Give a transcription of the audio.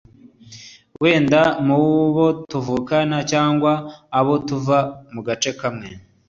wenda mubo tuvukana cyangwa abo tuva mu gace kamwe